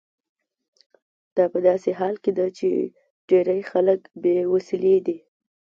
دا په داسې حال کې ده چې ډیری خلک بې وسیلې دي.